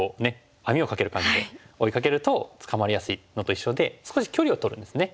網を掛ける感じで追いかけると捕まりやすいのと一緒で少し距離をとるんですね。